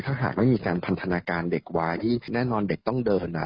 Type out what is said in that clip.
ถ้าหากไม่มีการพันธนาการเด็กวายที่แน่นอนเด็กต้องเดิน